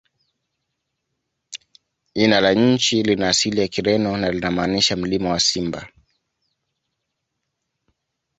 Jina la nchi lina asili ya Kireno na linamaanisha "Mlima wa Simba".